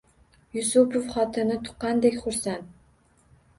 Yusupov xotini tuqqandek xursand.